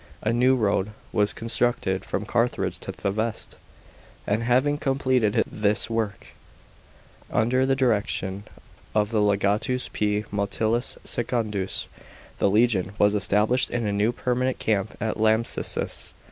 A new road was constructed from Carthage to Theveste ; and having completed this work, under the direction of the legatus, P. Metilius Secundus, the legion was established in a new per manent camp at Lambsesis.